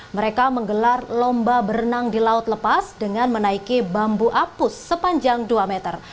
mereka menggelar lomba berenang di laut lepas dengan menaiki bambu apus sepanjang dua meter